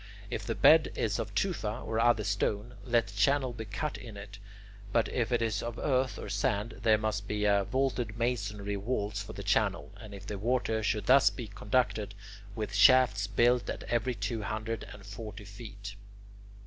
If the bed is of tufa or other stone, let the channel be cut in it; but if it is of earth or sand, there must be vaulted masonry walls for the channel, and the water should thus be conducted, with shafts built at every two hundred and forty feet.